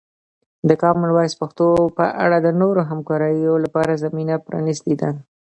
د کامن وایس پښتو په اړه د نورو همکاریو لپاره زمینه پرانیستې ده.